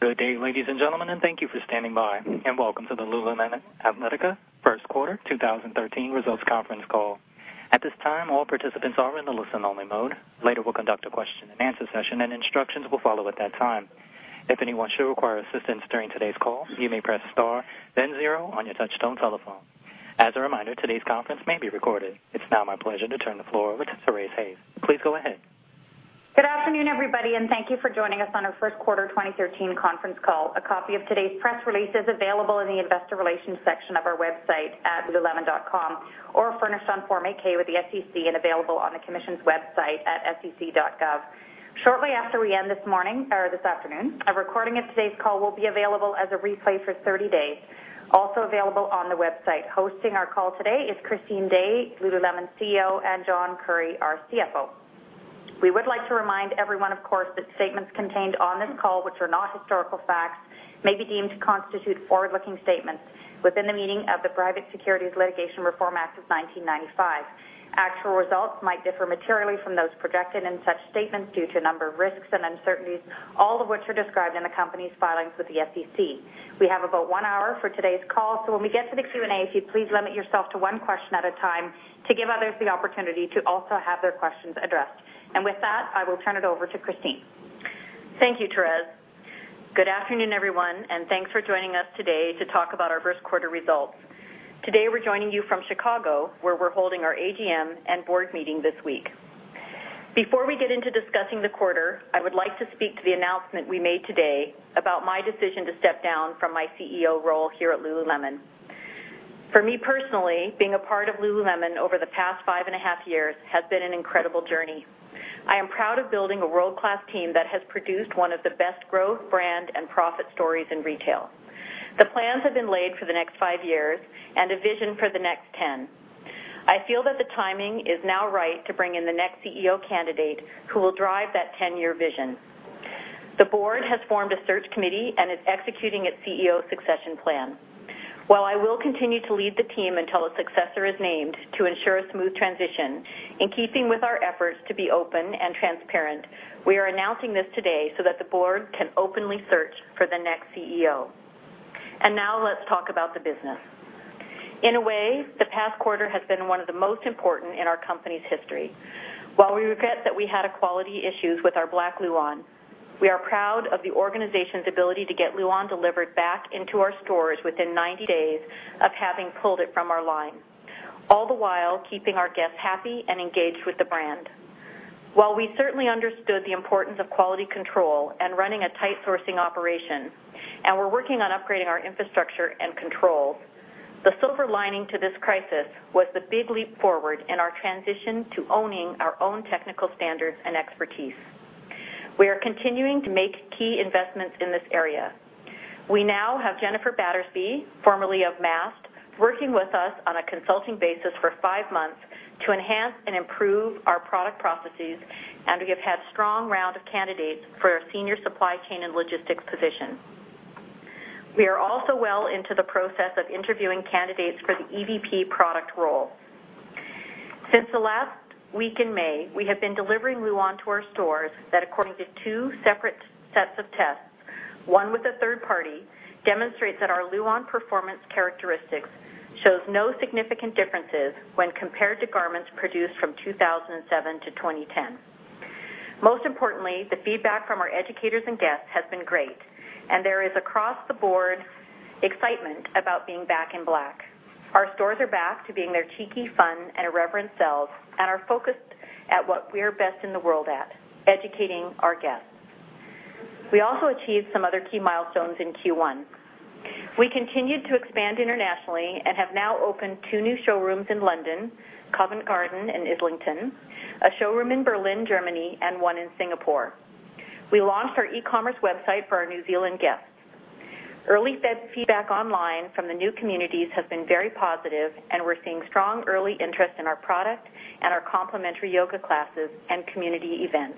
Good day, ladies and gentlemen, thank you for standing by, and welcome to the Lululemon Athletica First Quarter 2013 Results Conference Call. At this time, all participants are in the listen only mode. Later, we'll conduct a question and answer session, instructions will follow at that time. If anyone should require assistance during today's call, you may press star then zero on your touch-tone telephone. As a reminder, today's conference may be recorded. It's now my pleasure to turn the floor over to Therese Hayes. Please go ahead. Good afternoon, everybody, thank you for joining us on our first quarter 2013 conference call. A copy of today's press release is available in the investor relations section of our website at lululemon.com, furnished on Form 8-K with the SEC and available on the commission's website at sec.gov. Shortly after we end this afternoon, a recording of today's call will be available as a replay for 30 days, also available on the website. Hosting our call today is Christine Day, Lululemon's CEO, John Currie, our CFO. We would like to remind everyone, of course, that statements contained on this call, which are not historical facts, may be deemed to constitute forward-looking statements within the meaning of the Private Securities Litigation Reform Act of 1995. Actual results might differ materially from those projected in such statements due to a number of risks and uncertainties, all of which are described in the company's filings with the SEC. We have about one hour for today's call, when we get to the Q&A, if you'd please limit yourself to one question at a time to give others the opportunity to also have their questions addressed. With that, I will turn it over to Christine. Thank you, Therese. Good afternoon, everyone, thanks for joining us today to talk about our first quarter results. Today, we're joining you from Chicago, where we're holding our AGM and board meeting this week. Before we get into discussing the quarter, I would like to speak to the announcement we made today about my decision to step down from my CEO role here at Lululemon. For me personally, being a part of Lululemon over the past five and a half years has been an incredible journey. I am proud of building a world-class team that has produced one of the best growth, brand, and profit stories in retail. The plans have been laid for the next five years, a vision for the next 10. I feel that the timing is now right to bring in the next CEO candidate who will drive that 10-year vision. The board has formed a search committee and is executing its CEO succession plan. While I will continue to lead the team until a successor is named to ensure a smooth transition, in keeping with our efforts to be open and transparent, we are announcing this today so that the board can openly search for the next CEO. Now let's talk about the business. In a way, the past quarter has been one of the most important in our company's history. While we regret that we had quality issues with our black Luon, we are proud of the organization's ability to get Luon delivered back into our stores within 90 days of having pulled it from our line, all the while keeping our guests happy and engaged with the brand. While we certainly understood the importance of quality control and running a tight sourcing operation, and we're working on upgrading our infrastructure and controls, the silver lining to this crisis was the big leap forward in our transition to owning our own technical standards and expertise. We are continuing to make key investments in this area. We now have Jennifer Battersby, formerly of Mast, working with us on a consulting basis for five months to enhance and improve our product processes, and we have had strong round of candidates for our senior supply chain and logistics position. We are also well into the process of interviewing candidates for the EVP product role. Since the last week in May, we have been delivering Luon to our stores that according to 2 separate sets of tests, one with a third party, demonstrates that our Luon performance characteristics shows no significant differences when compared to garments produced from 2007-2010. Most importantly, the feedback from our educators and guests has been great, and there is across the board excitement about being back in black. Our stores are back to being their cheeky, fun, and irreverent selves and are focused at what we're best in the world at, educating our guests. We also achieved some other key milestones in Q1. We continued to expand internationally and have now opened 2 new showrooms in London, Covent Garden and Islington, a showroom in Berlin, Germany, and one in Singapore. We launched our e-commerce website for our New Zealand guests. Early feedback online from the new communities has been very positive, and we're seeing strong early interest in our product and our complimentary yoga classes and community events.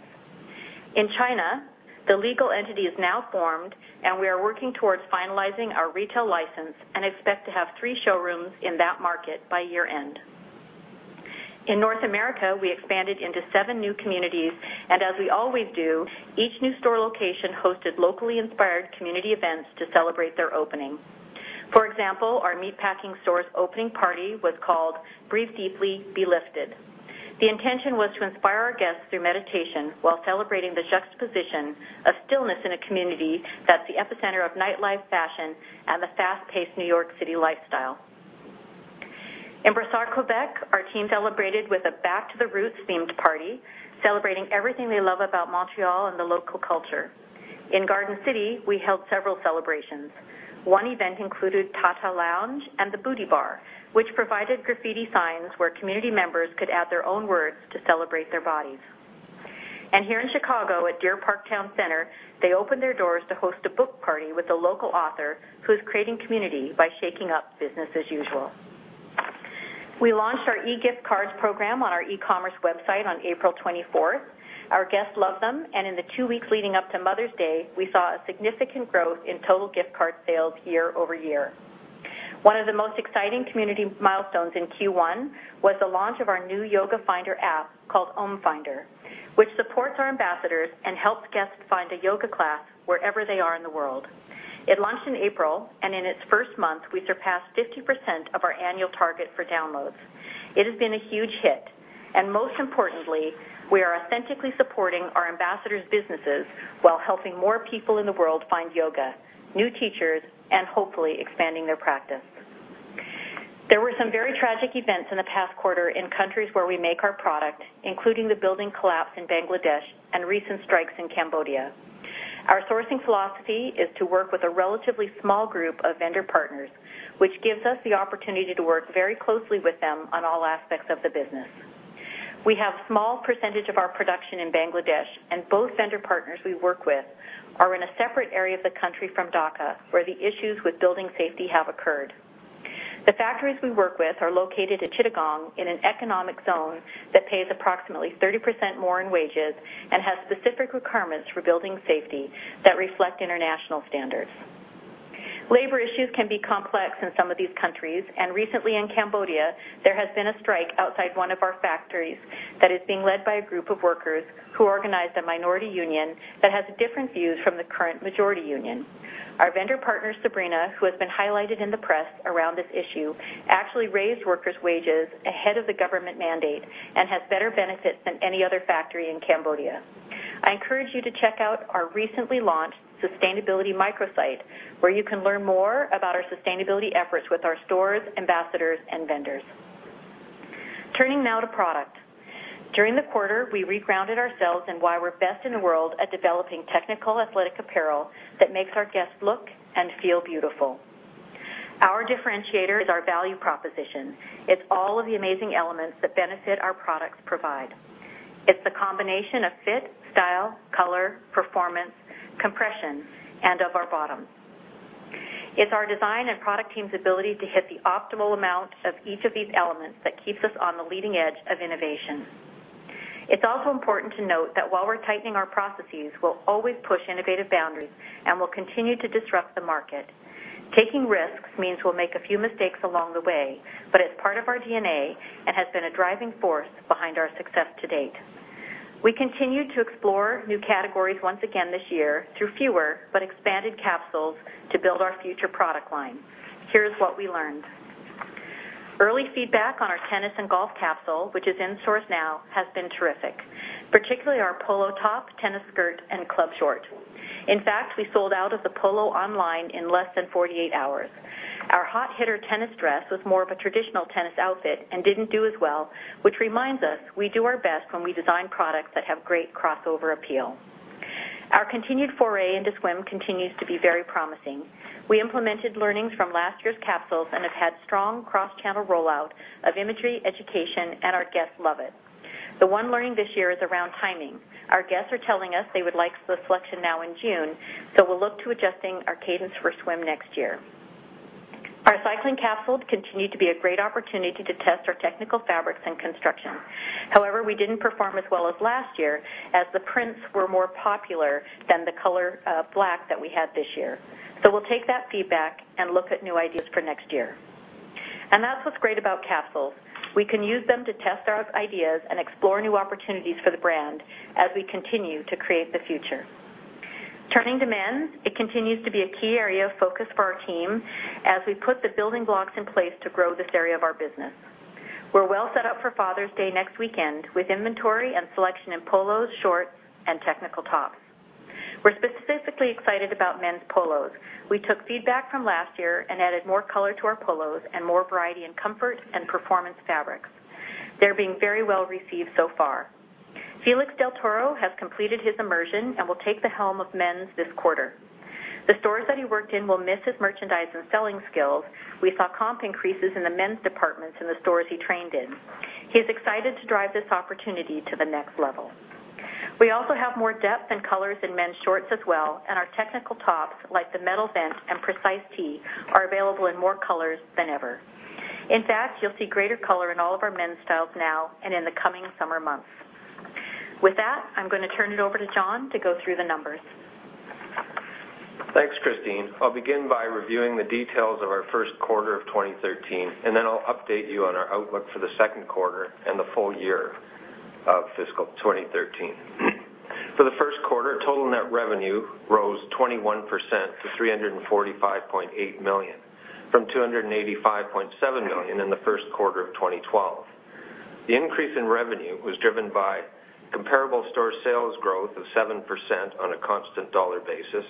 In China, the legal entity is now formed, and we are working towards finalizing our retail license and expect to have 3 showrooms in that market by year-end. In North America, we expanded into 7 new communities, and as we always do, each new store location hosted locally inspired community events to celebrate their opening. For example, our Meatpacking stores opening party was called Breathe Deeply, Be Lifted. The intention was to inspire our guests through meditation while celebrating the juxtaposition of stillness in a community that's the epicenter of nightlife fashion and the fast-paced New York City lifestyle. In Brossard, Quebec, our team celebrated with a Back to the Roots themed party, celebrating everything they love about Montreal and the local culture. In Garden City, we held several celebrations. One event included Tata Lounge and the Booty Bar, which provided graffiti signs where community members could add their own words to celebrate their bodies. Here in Chicago at Deer Park Town Center, they opened their doors to host a book party with a local author who is creating community by shaking up business as usual. We launched our e-gift cards program on our e-commerce website on April 24th. Our guests love them, and in the two weeks leading up to Mother's Day, we saw a significant growth in total gift card sales year-over-year. One of the most exciting community milestones in Q1 was the launch of our new yoga finder app called Om Finder, which supports our ambassadors and helps guests find a yoga class wherever they are in the world. It launched in April, and in its first month, we surpassed 50% of our annual target for downloads. It has been a huge hit, and most importantly, we are authentically supporting our ambassadors' businesses while helping more people in the world find yoga, new teachers, and hopefully expanding their practice. There were some very tragic events in the past quarter in countries where we make our product, including the building collapse in Bangladesh and recent strikes in Cambodia. Our sourcing philosophy is to work with a relatively small group of vendor partners, which gives us the opportunity to work very closely with them on all aspects of the business. We have a small percentage of our production in Bangladesh, and both vendor partners we work with are in a separate area of the country from Dhaka, where the issues with building safety have occurred. The factories we work with are located at Chittagong in an economic zone that pays approximately 30% more in wages and has specific requirements for building safety that reflect international standards. Labor issues can be complex in some of these countries, and recently in Cambodia, there has been a strike outside one of our factories that is being led by a group of workers who organized a minority union that has different views from the current majority union. Our vendor partner, Sabrina, who has been highlighted in the press around this issue, actually raised workers' wages ahead of the government mandate and has better benefits than any other factory in Cambodia. I encourage you to check out our recently launched sustainability microsite, where you can learn more about our sustainability efforts with our stores, ambassadors, and vendors. Turning now to product. During the quarter, we regrounded ourselves in why we're best in the world at developing technical athletic apparel that makes our guests look and feel beautiful. Our differentiator is our value proposition. It's all of the amazing elements that benefit our products provide. It's the combination of fit, style, color, performance, compression, and of our bottom. It's our design and product team's ability to hit the optimal amount of each of these elements that keeps us on the leading edge of innovation. It's also important to note that while we're tightening our processes, we'll always push innovative boundaries and will continue to disrupt the market. Taking risks means we'll make a few mistakes along the way, but it's part of our DNA and has been a driving force behind our success to date. We continued to explore new categories once again this year through fewer but expanded capsules to build our future product line. Here's what we learned. Early feedback on our tennis and golf capsule, which is in source now, has been terrific, particularly our polo top, tennis skirt, and club short. In fact, we sold out of the polo online in less than 48 hours. Our Hot Hitter Tennis Dress was more of a traditional tennis outfit and didn't do as well, which reminds us we do our best when we design products that have great crossover appeal. Our continued foray into swim continues to be very promising. We implemented learnings from last year's capsules and have had strong cross-channel rollout of imagery education, our guests love it. The one learning this year is around timing. Our guests are telling us they would like the selection now in June, we'll look to adjusting our cadence for swim next year. Our cycling capsule continued to be a great opportunity to test our technical fabrics and construction. However, we didn't perform as well as last year as the prints were more popular than the color black that we had this year. We'll take that feedback and look at new ideas for next year. That's what's great about capsules. We can use them to test our ideas and explore new opportunities for the brand as we continue to create the future. Turning to men's, it continues to be a key area of focus for our team as we put the building blocks in place to grow this area of our business. We're well set up for Father's Day next weekend with inventory and selection in polos, shorts, and technical tops. We're specifically excited about men's polos. We took feedback from last year and added more color to our polos and more variety in comfort and performance fabrics. They're being very well received so far. Felix Del Toro has completed his immersion and will take the helm of men's this quarter. The stores that he worked in will miss his merchandise and selling skills. We saw comp increases in the men's departments in the stores he trained in. He's excited to drive this opportunity to the next level. We also have more depth and colors in men's shorts as well, our technical tops, like the Metal Vent and Precise Tee, are available in more colors than ever. In fact, you'll see greater color in all of our men's styles now and in the coming summer months. With that, I'm going to turn it over to John to go through the numbers. Thanks, Christine. I'll begin by reviewing the details of our first quarter of 2013, then I'll update you on our outlook for the second quarter and the full year of fiscal 2013. For the first quarter, total net revenue rose 21% to $345.8 million from $285.7 million in the first quarter of 2012. The increase in revenue was driven by comparable store sales growth of 7% on a constant dollar basis.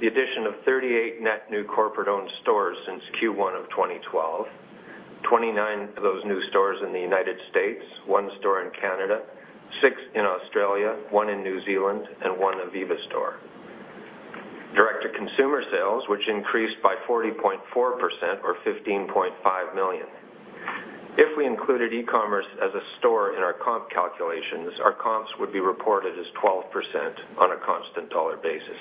The addition of 38 net new corporate-owned stores since Q1 of 2012, 29 of those new stores in the U.S., one store in Canada, six in Australia, one in New Zealand, and one ivivva store. Direct-to-consumer sales, which increased by 40.4%, or $15.5 million. If we included e-commerce as a store in our comp calculations, our comps would be reported as 12% on a constant dollar basis.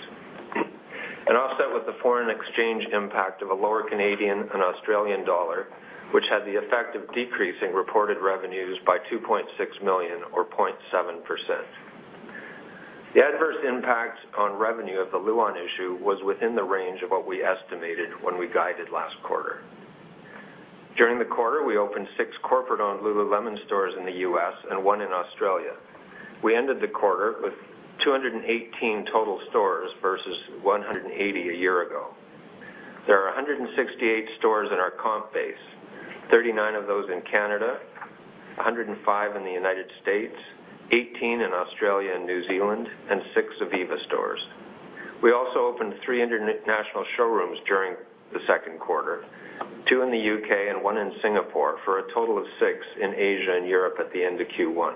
Offset with the foreign exchange impact of a lower Canadian and Australian dollar, which had the effect of decreasing reported revenues by $2.6 million or 0.7%. The adverse impact on revenue of the Luon issue was within the range of what we estimated when we guided last quarter. During the quarter, we opened six corporate-owned Lululemon stores in the U.S. and one in Australia. We ended the quarter with 218 total stores versus 180 a year ago. There are 168 stores in our comp base, 39 of those in Canada, 105 in the U.S., 18 in Australia and New Zealand, and six ivivva stores. We also opened three international showrooms during the second quarter, two in the U.K. and one in Singapore for a total of six in Asia and Europe at the end of Q1.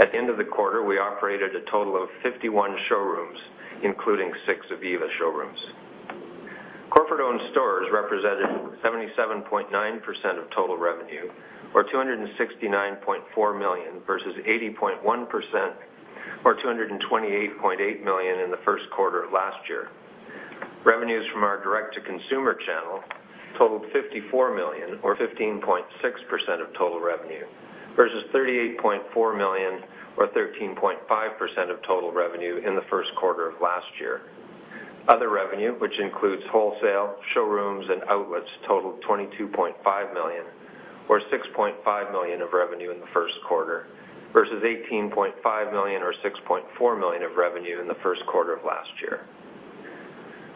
At the end of the quarter, we operated a total of 51 showrooms, including six ivivva showrooms. Corporate-owned stores represented 77.9% of total revenue, or $269.4 million versus 80.1%, or $228.8 million in the first quarter of last year. Revenues from our direct-to-consumer channel totaled $54 million or 15.6% of total revenue, versus $38.4 million or 13.5% of total revenue in the first quarter of last year. Other revenue, which includes wholesale showrooms and outlets, totaled $22.5 million or $6.5 million of revenue in the first quarter versus $18.5 million or $6.4 million of revenue in the first quarter of last year.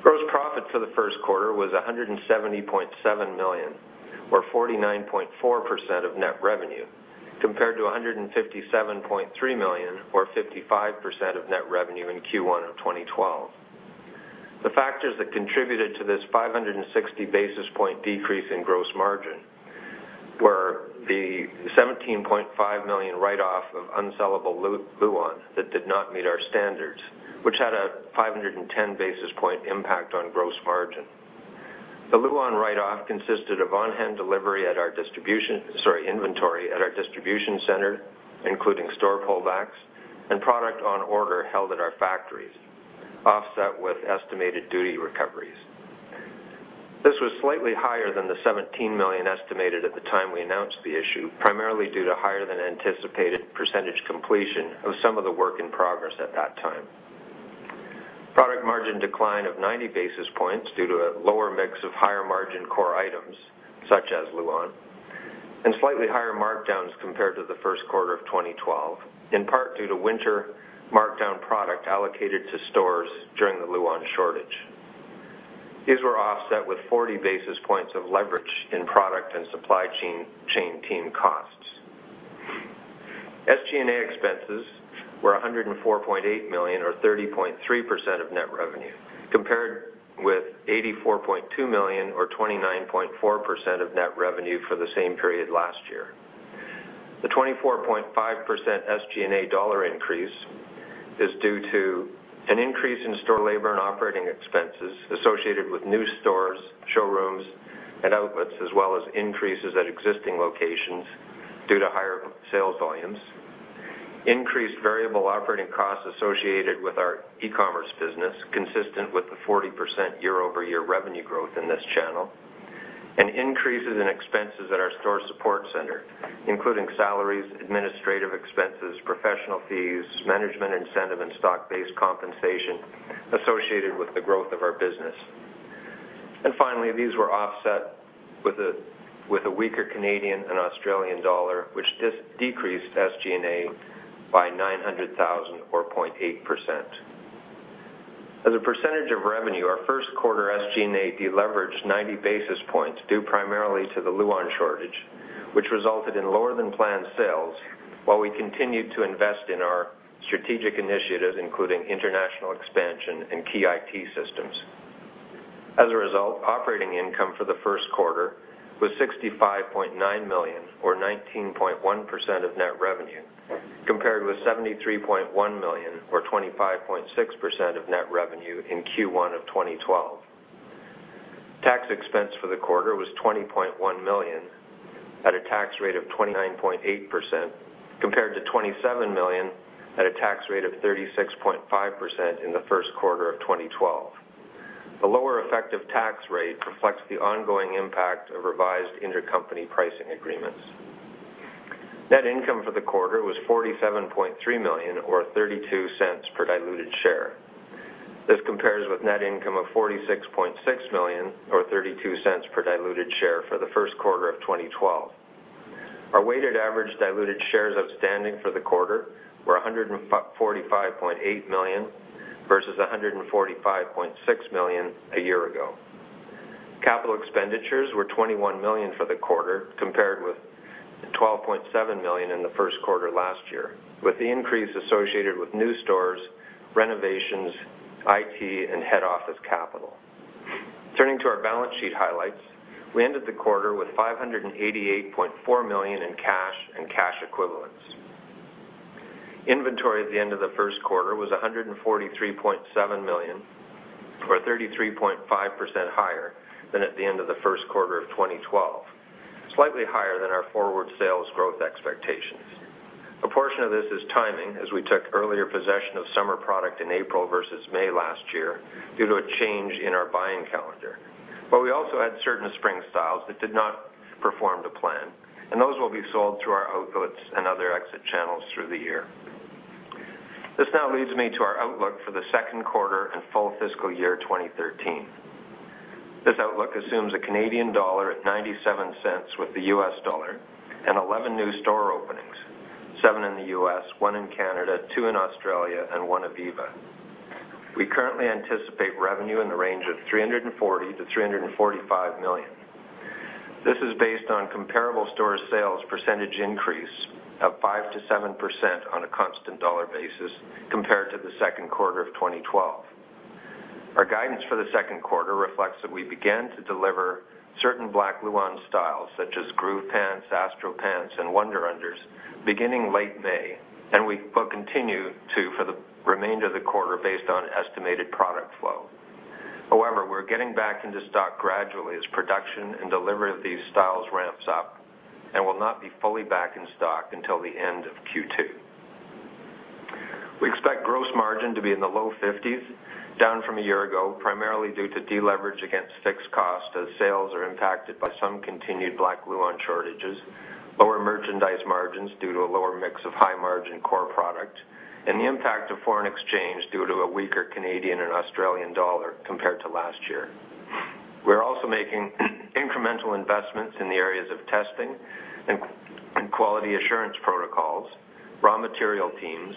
Gross profit for the first quarter was $170.7 million, or 49.4% of net revenue, compared to $157.3 million or 55% of net revenue in Q1 of 2012. The factors that contributed to this 560 basis point decrease in gross margin were the $17.5 million write-off of unsellable Luon that did not meet our standards, which had a 510 basis point impact on gross margin. The Luon write-off consisted of on-hand inventory at our distribution center, including store pullbacks and product on order held at our factories, offset with estimated duty recoveries. This was slightly higher than the $17 million estimated at the time we announced the issue, primarily due to higher than anticipated percentage completion of some of the work in progress at that time. Product margin decline of 90 basis points due to a lower mix of higher margin core items such as Luon, and slightly higher markdowns compared to the first quarter of 2012, in part due to winter markdown product allocated to stores during the Luon shortage. These were offset with 40 basis points of leverage in product and supply chain team costs. SG&A expenses were $104.8 million or 30.3% of net revenue, compared with $84.2 million or 29.4% of net revenue for the same period last year. The 24.5% SG&A dollar increase is due to an increase in store labor and operating expenses associated with new stores, showrooms, and outlets, as well as increases at existing locations due to higher sales volumes. Increased variable operating costs associated with our e-commerce business, consistent with the 40% year-over-year revenue growth in this channel, and increases in expenses at our store support center, including salaries, administrative expenses, professional fees, management incentive, and stock-based compensation associated with the growth of our business. Finally, these were offset with a weaker Canadian and Australian dollar, which decreased SG&A by $900,000 or 0.8%. As a percentage of revenue, our first quarter SG&A deleveraged 90 basis points due primarily to the Luon shortage, which resulted in lower than planned sales while we continued to invest in our strategic initiatives, including international expansion and key IT systems. As a result, operating income for the first quarter was $65.9 million or 19.1% of net revenue, compared with $73.1 million or 25.6% of net revenue in Q1 of 2012. Tax expense for the quarter was $20.1 million at a tax rate of 29.8%, compared to $27 million at a tax rate of 36.5% in the first quarter of 2012. The lower effective tax rate reflects the ongoing impact of revised intercompany pricing agreements. Net income for the quarter was $47.3 million or $0.32 per diluted share. This compares with net income of $46.6 million or $0.32 per diluted share for the first quarter of 2012. Our weighted average diluted shares outstanding for the quarter were 145.8 million versus 145.6 million a year ago. Capital expenditures were $21 million for the quarter, compared with $12.7 million in the first quarter last year, with the increase associated with new stores, renovations, IT, and head office capital. Turning to our balance sheet highlights, we ended the quarter with $588.4 million in cash and cash equivalents. Inventory at the end of the first quarter was $143.7 million or 33.5% higher than at the end of the first quarter of 2012, slightly higher than our forward sales growth expectations. A portion of this is timing, as we took earlier possession of summer product in April versus May last year due to a change in our buying calendar. We also had certain spring styles that did not perform to plan, and those will be sold through our outlets and other exit channels through the year. This now leads me to our outlook for the second quarter and full fiscal year 2013. This outlook assumes a Canadian dollar at $0.97 with the US dollar and 11 new store openings, seven in the U.S., one in Canada, two in Australia, and one ivivva. We currently anticipate revenue in the range of $340 million-$345 million. This is based on comparable store sales percentage increase of 5%-7% on a constant dollar basis compared to the second quarter of 2012. Our guidance for the second quarter reflects that we began to deliver certain black Lululemon styles such as Groove Pant, Astro Pant, and Wunder Under beginning late May, and we will continue to for the remainder of the quarter based on estimated product flow. However, we're getting back into stock gradually as production and delivery of these styles ramps up and will not be fully back in stock until the end of Q2. We expect gross margin to be in the low 50s, down from a year ago, primarily due to deleverage against fixed cost as sales are impacted by some continued black Lululemon shortages, lower merchandise margins due to a lower mix of high margin core product, and the impact of foreign exchange due to a weaker Canadian and Australian dollar compared to last year. We're also making incremental investments in the areas of testing and quality assurance protocols, raw material teams,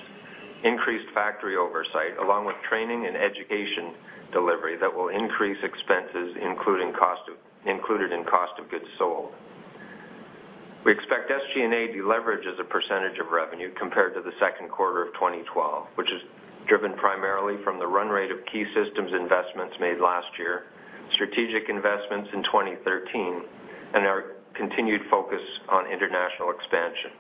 increased factory oversight, along with training and education delivery that will increase expenses included in cost of goods sold. We expect SG&A to leverage as a percentage of revenue compared to the second quarter of 2012, which is driven primarily from the run rate of key systems investments made last year, strategic investments in 2013, and our continued focus on international expansion.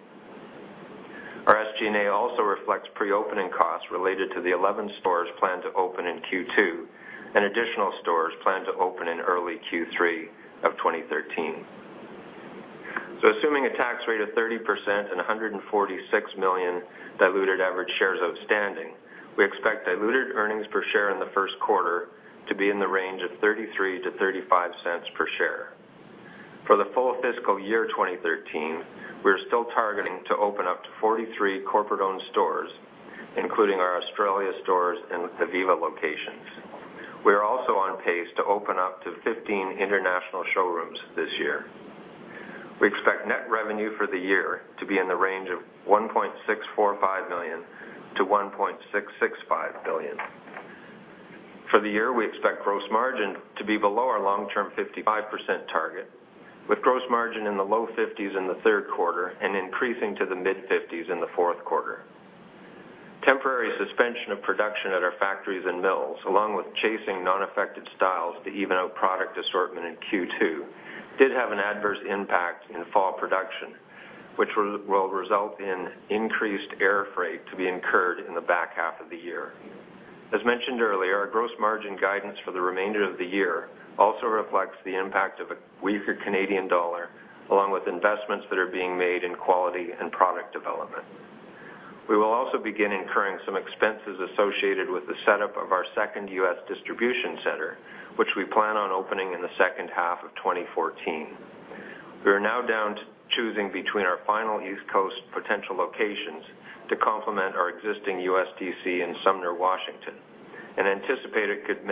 Our SG&A also reflects pre-opening costs related to the 11 stores planned to open in Q2 and additional stores planned to open in early Q3 of 2013. Assuming a tax rate of 30% and 146 million diluted average shares outstanding, we expect diluted earnings per share in the first quarter to be in the range of $0.33-$0.35 per share. For the full fiscal year 2013, we are still targeting to open up to 43 corporate-owned stores, including our Australia stores and ivivva locations. We are also on pace to open up to 15 international showrooms this year. We expect net revenue for the year to be in the range of $1.645 billion to $1.665 billion. For the year, we expect gross margin to be below our long-term 55% target, with gross margin in the low 50s in the third quarter and increasing to the mid-50s in the fourth quarter. Temporary suspension of production at our factories and mills, along with chasing non-affected styles to even out product assortment in Q2, did have an adverse impact in fall production, which will result in increased air freight to be incurred in the back half of the year. As mentioned earlier, our gross margin guidance for the remainder of the year also reflects the impact of a weaker Canadian dollar, along with investments that are being made in quality and product development. We will also begin incurring some expenses associated with the setup of our second U.S. distribution center, which we plan on opening in the second half of 2014. We are now down to choosing between our final East Coast potential locations to complement our existing USDC in Sumner, Washington, and anticipate it could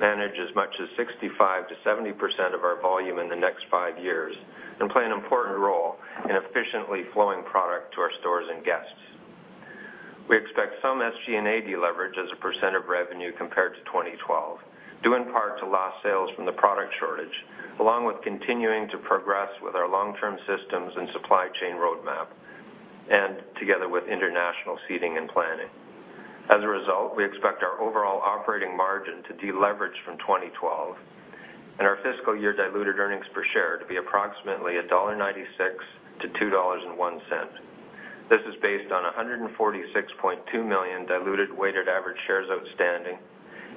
manage as much as 65%-70% of our volume in the next five years and play an important role in efficiently flowing product to our stores and guests. We expect some SG&A leverage as a percent of revenue compared to 2012, due in part to lost sales from the product shortage, along with continuing to progress with our long-term systems and supply chain roadmap and together with international seeding and planning. As a result, we expect our overall operating margin to deleverage from 2012 and our fiscal year diluted earnings per share to be approximately $1.96 to $2.01. This is based on 146.2 million diluted weighted average shares outstanding,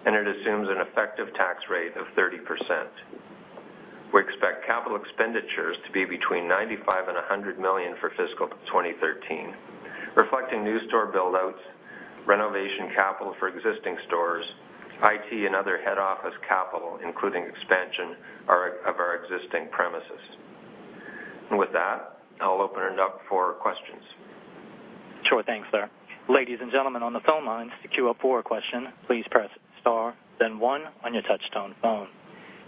and it assumes an effective tax rate of 30%. We expect capital expenditures to be between $95 million and $100 million for FY 2013, reflecting new store build-outs, renovation capital for existing stores, IT and other head office capital, including expansion of our existing premises. With that, I'll open it up for questions. Sure. Thanks, sir. Ladies and gentlemen, on the phone lines to queue up for a question, please press star then one on your touch-tone phone.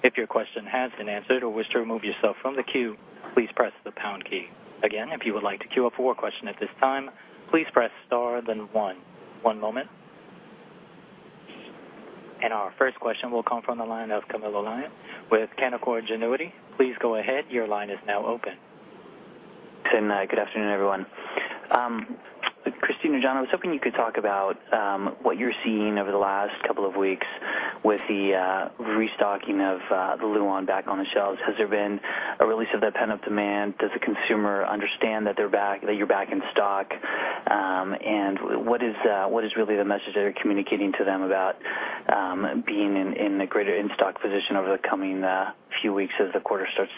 If your question has been answered or wish to remove yourself from the queue, please press the pound key. Again, if you would like to queue up for a question at this time, please press star then one. One moment. Our first question will come from the line of Camilo Lyon with Canaccord Genuity. Please go ahead. Your line is now open. Tim, good afternoon, everyone. Christine and John, I was hoping you could talk about what you're seeing over the last couple of weeks with the restocking of the Lululemon back on the shelves. Has there been a release of that pent-up demand? Does the consumer understand that you're back in stock? What is really the message that you're communicating to them about being in the greater in-stock position over the coming few weeks as the quarter starts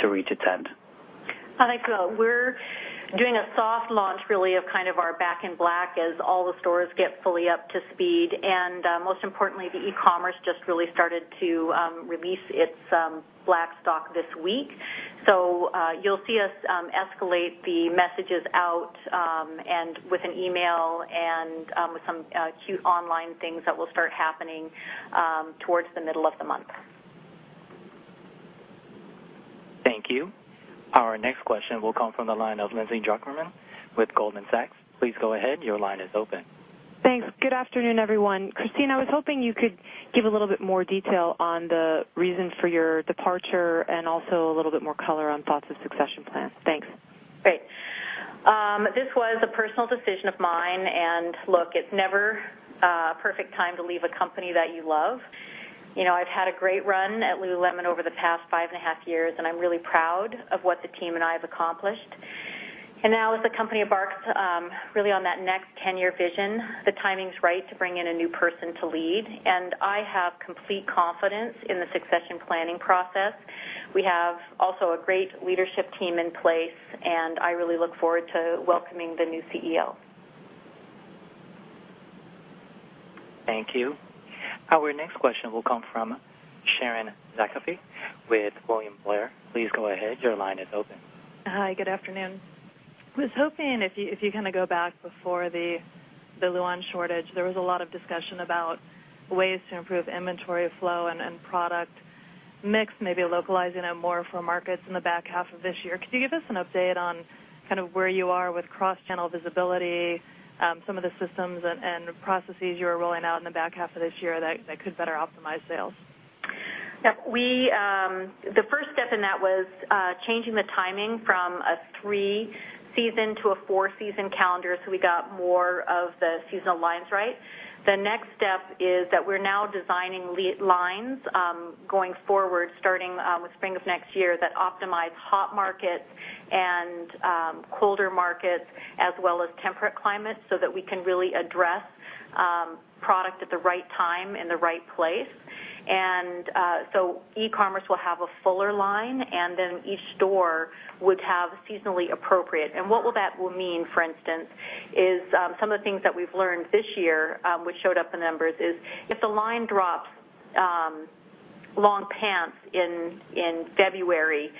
to reach its end? I think we're doing a soft launch, really, of our Back in Black as all the stores get fully up to speed. Most importantly, the e-commerce just really started to release its black stock this week. You'll see us escalate the messages out and with an email and with some cute online things that will start happening towards the middle of the month. Thank you. Our next question will come from the line of Lindsay Drucker Mann with Goldman Sachs. Please go ahead. Your line is open. Thanks. Good afternoon, everyone. Christine, I was hoping you could give a little bit more detail on the reason for your departure and also a little bit more color on thoughts of succession plan. Thanks. Great. This was a personal decision of mine. Look, it's never a perfect time to leave a company that you love. I've had a great run at Lululemon over the past five and a half years, and I'm really proud of what the team and I have accomplished. Now as the company embarks really on that next 10-year vision, the timing's right to bring in a new person to lead, and I have complete confidence in the succession planning process. We have also a great leadership team in place, and I really look forward to welcoming the new CEO. Thank you. Our next question will come from Sharon Zackfia with William Blair. Please go ahead. Your line is open. Hi, good afternoon. Was hoping if you go back before the Luon shortage, there was a lot of discussion about ways to improve inventory flow and product mix, maybe localizing it more for markets in the back half of this year. Could you give us an update on where you are with cross-channel visibility, some of the systems and processes you're rolling out in the back half of this year that could better optimize sales? Yep. The first step in that was changing the timing from a three-season to a four-season calendar, so we got more of the seasonal lines right. The next step is that we're now designing lead lines, going forward, starting with spring of next year, that optimize hot markets and colder markets as well as temperate climates, so that we can really address product at the right time in the right place. So e-commerce will have a fuller line, and then each store would have seasonally appropriate. What that will mean, for instance, is some of the things that we've learned this year, which showed up in numbers, is if the line drops long pants in February,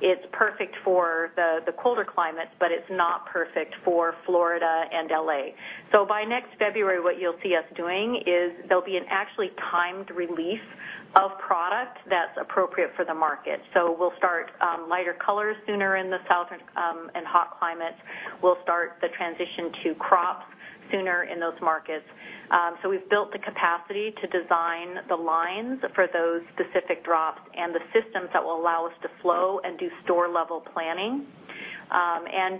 it's perfect for the colder climates, but it's not perfect for Florida and L.A. By next February, what you'll see us doing is there'll be an actually timed release of product that's appropriate for the market. We'll start lighter colors sooner in the South and hot climates. We'll start the transition to crops sooner in those markets. We've built the capacity to design the lines for those specific drops and the systems that will allow us to flow and do store level planning.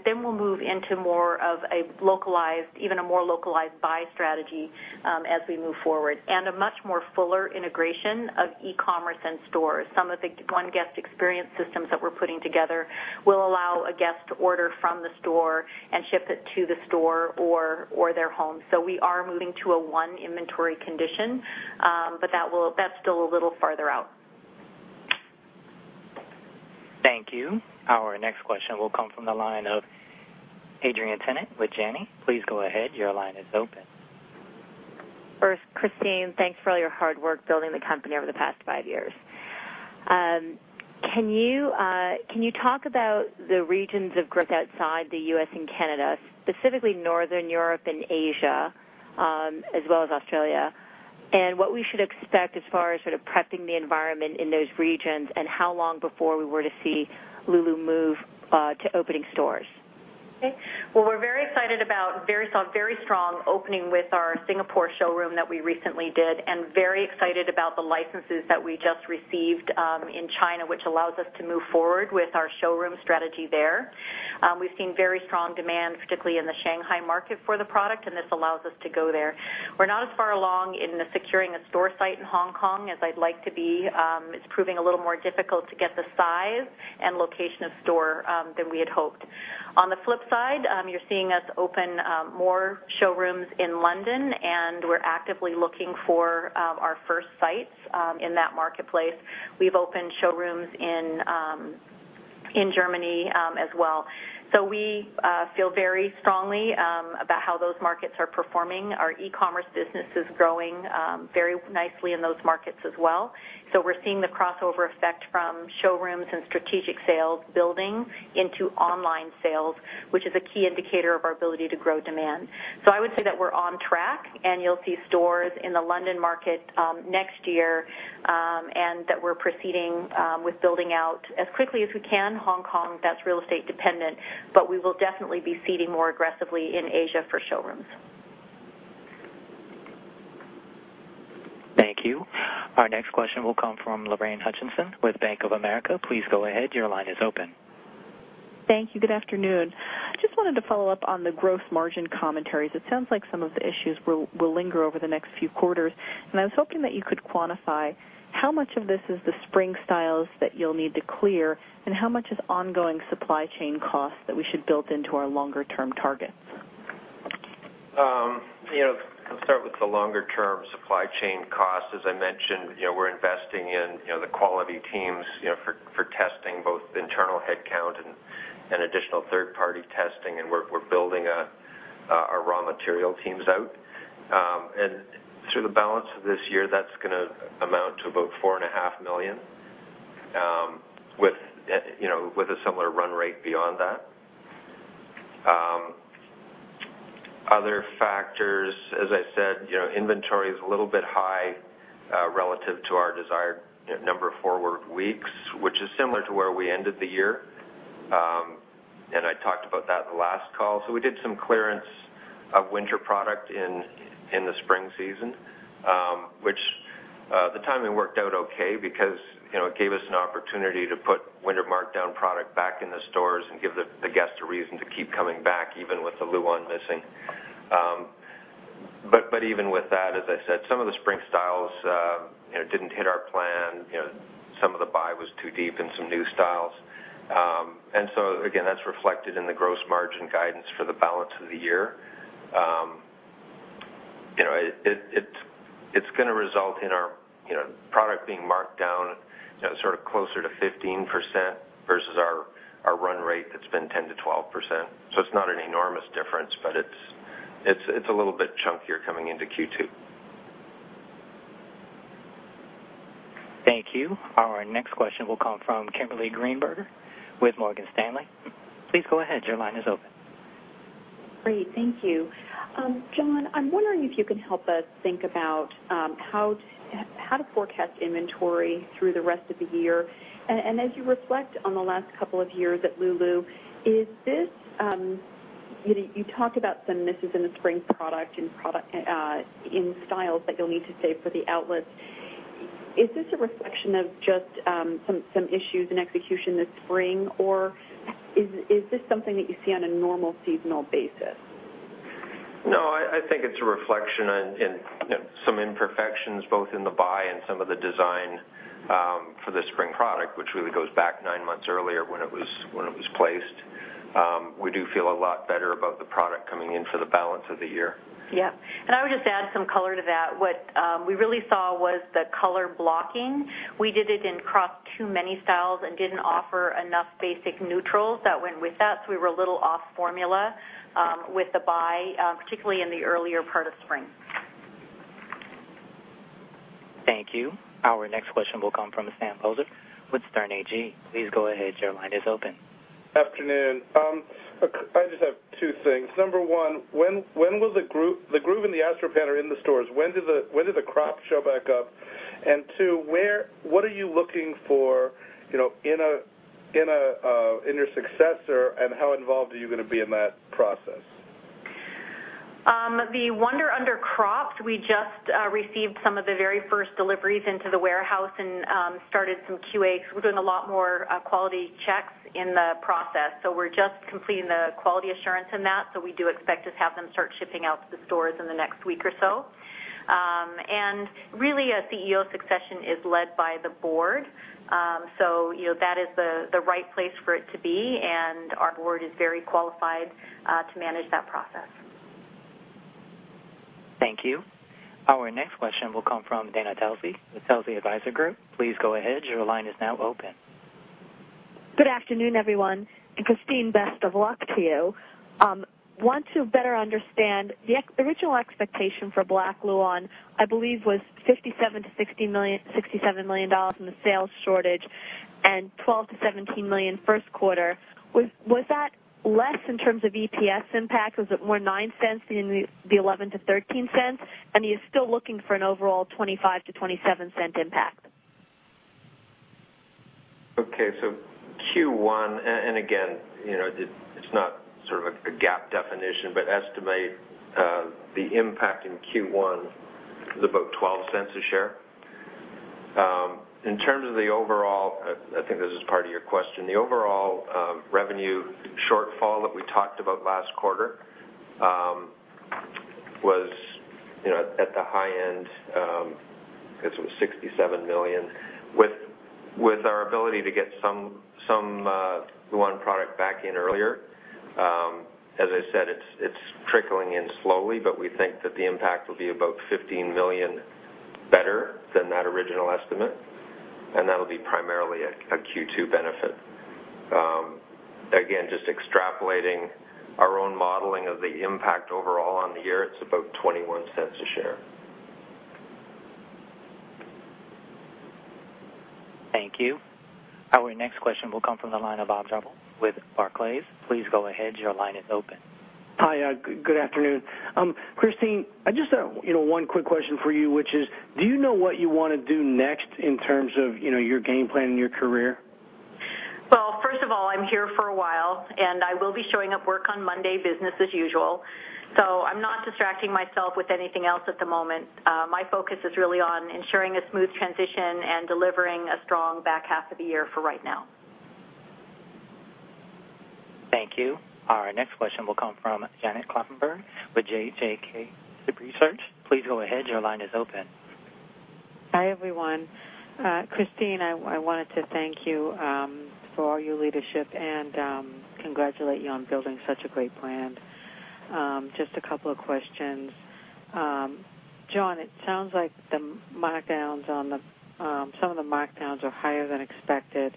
Then we'll move into more of a localized, even a more localized buy strategy, as we move forward. A much more fuller integration of e-commerce and stores. Some of the One Guest experience systems that we're putting together will allow a guest to order from the store and ship it to the store or their home. We are moving to a one inventory condition, but that's still a little farther out. Thank you. Our next question will come from the line of Adrienne Tennant with Janney. Please go ahead. Your line is open. First, Christine, thanks for all your hard work building the company over the past five years. Can you talk about the regions of growth outside the U.S. and Canada, specifically Northern Europe and Asia, as well as Australia, and what we should expect as far as sort of prepping the environment in those regions, and how long before we were to see Lulu move to opening stores? Okay. Well, we're very excited about very strong opening with our Singapore showroom that we recently did, and very excited about the licenses that we just received in China, which allows us to move forward with our showroom strategy there. We've seen very strong demand, particularly in the Shanghai market, for the product, and this allows us to go there. We're not as far along in the securing a store site in Hong Kong as I'd like to be. It's proving a little more difficult to get the size and location of store than we had hoped. On the flip side, you're seeing us open more showrooms in London, and we're actively looking for our first sites in that marketplace. We've opened showrooms in Germany as well. We feel very strongly about how those markets are performing. Our e-commerce business is growing very nicely in those markets as well. We're seeing the crossover effect from showrooms and strategic sales building into online sales, which is a key indicator of our ability to grow demand. I would say that we're on track, and you'll see stores in the London market next year, and that we're proceeding with building out as quickly as we can Hong Kong. That's real estate dependent, but we will definitely be seeding more aggressively in Asia for showrooms. Thank you. Our next question will come from Lorraine Hutchinson with Bank of America. Please go ahead. Your line is open. Thank you. Good afternoon. Just wanted to follow up on the gross margin commentaries. It sounds like some of the issues will linger over the next few quarters. I was hoping that you could quantify how much of this is the spring styles that you'll need to clear, and how much is ongoing supply chain costs that we should build into our longer term targets? I'll start with the longer term supply chain costs. As I mentioned, we're investing in the quality teams for testing both internal headcount and additional third-party testing. We're building our raw material teams out. Through the balance of this year, that's going to amount to about four and a half million with a similar run rate beyond that. Other factors, as I said, inventory is a little bit high relative to our desired number of forward weeks, which is similar to where we ended the year. I talked about that in the last call. We did some clearance of winter product in the spring season, which at the time it worked out okay because it gave us an opportunity to put winter markdown product back in the stores and give the guest a reason to keep coming back, even with the Luon missing. Even with that, as I said, some of the spring styles didn't hit our plan. Some of the buy was too deep in some new styles. Again, that's reflected in the gross margin guidance for the balance of the year. It's going to result in our product being marked down sort of closer to 15% versus our run rate that's been 10%-12%. It's not an enormous difference, but it's a little bit chunkier coming into Q2. Thank you. Our next question will come from Kimberly Greenberger with Morgan Stanley. Please go ahead. Your line is open. Great. Thank you. John, I'm wondering if you can help us think about how to forecast inventory through the rest of the year. As you reflect on the last couple of years at Lulu, you talk about some misses in the spring product, in styles that you'll need to save for the outlets. Is this a reflection of just some issues in execution this spring, or is this something that you see on a normal seasonal basis? I think it's a reflection on some imperfections both in the buy and some of the design for the spring product, which really goes back nine months earlier when it was placed. We do feel a lot better about the product coming in for the balance of the year. I would just add some color to that. What we really saw was the color blocking. We did it in crop too many styles and didn't offer enough basic neutrals that went with that, we were a little off formula with the buy, particularly in the earlier part of spring. Thank you. Our next question will come from Sam Poser with Sterne Agee. Please go ahead. Your line is open. Afternoon. I just have two things. Number one, the Groove Pant and the Astro Pant are in the stores. When does the crop show back up? Two, what are you looking for in your successor, and how involved are you going to be in that process? The Wunder Under cropped, we just received some of the very first deliveries into the warehouse and started some QAs. We're doing a lot more quality checks in the process. We're just completing the quality assurance in that. We do expect to have them start shipping out to the stores in the next week or so. Really, a CEO succession is led by the board. That is the right place for it to be, and our board is very qualified to manage that process. Thank you. Our next question will come from Dana Telsey with Telsey Advisory Group. Please go ahead. Your line is now open. Good afternoon, everyone. Christine, best of luck to you. Want to better understand the original expectation for black Luon, I believe, was $57 million-$67 million in the sales shortage and $12 million-$17 million first quarter. Was that less in terms of EPS impact? Was it more $0.09 being the $0.11-$0.13? Are you still looking for an overall $0.25-$0.27 impact? Okay. Q1, again, it's not sort of a GAAP definition, estimate the impact in Q1 is about $0.12 a share. In terms of the overall, I think this is part of your question, the overall revenue shortfall that we talked about last quarter was at the high end, I guess it was $67 million. With our ability to get some Luon product back in earlier, as I said, it's trickling in slowly, we think that the impact will be about $15 million better than that original estimate. That'll be primarily a Q2 benefit. Again, just extrapolating our own modeling of the impact overall on the year, it's about $0.21 a share. Thank you. Our next question will come from the line of Bob Drbul with Barclays. Please go ahead. Your line is open. Hi. Good afternoon. Christine, I just have one quick question for you, which is, do you know what you want to do next in terms of your game plan and your career? First of all, I'm here for a while, I will be showing up work on Monday, business as usual. I'm not distracting myself with anything else at the moment. My focus is really on ensuring a smooth transition and delivering a strong back half of the year for right now. Thank you. Our next question will come from Janet Kloppenburg with JJK Research. Please go ahead. Your line is open Hi, everyone. Christine, I wanted to thank you for all your leadership and congratulate you on building such a great brand. Just a couple of questions. John, it sounds like some of the markdowns are higher than expected.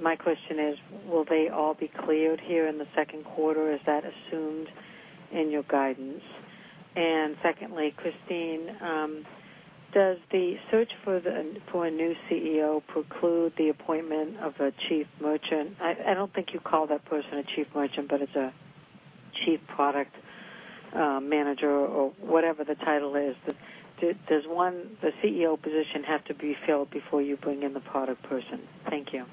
My question is, will they all be cleared here in the second quarter? Is that assumed in your guidance? Secondly, Christine, does the search for a new CEO preclude the appointment of a chief merchant? I don't think you call that person a chief merchant, but as a chief product manager or whatever the title is, does the CEO position have to be filled before you bring in the product person? Thank you.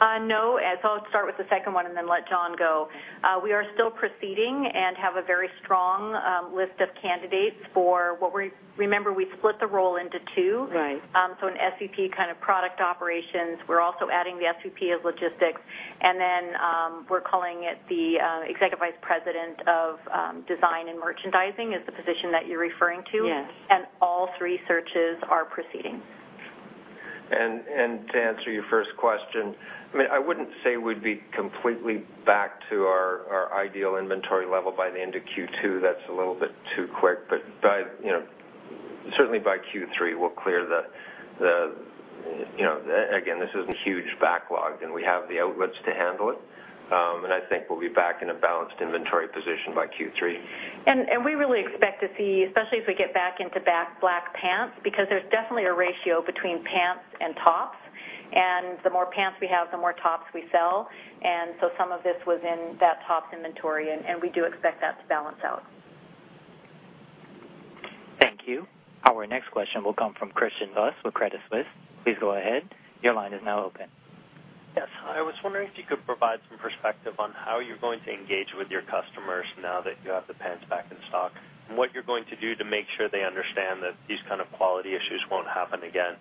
No. I'll start with the second one then let John go. We are still proceeding and have a very strong list of candidates. Remember, we split the role into two. Right. An SVP kind of product operations. We're also adding the SVP of logistics, then we're calling it the Executive Vice President of design and merchandising, is the position that you're referring to. Yes. All three searches are proceeding. To answer your first question, I wouldn't say we'd be completely back to our ideal inventory level by the end of Q2. That's a little bit too quick. Certainly by Q3, we'll clear the Again, this isn't huge backlog, and we have the outlets to handle it. I think we'll be back in a balanced inventory position by Q3. We really expect to see, especially as we get back into black pants, because there's definitely a ratio between pants and tops, and the more pants we have, the more tops we sell. Some of this was in that tops inventory, and we do expect that to balance out. Thank you. Our next question will come from Christian Buss with Credit Suisse. Please go ahead. Your line is now open. Yes. I was wondering if you could provide some perspective on how you're going to engage with your customers now that you have the pants back in stock, and what you're going to do to make sure they understand that these kind of quality issues won't happen again.